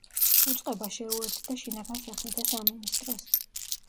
უწყება შეუერთდა შინაგან საქმეთა სამინისტროს.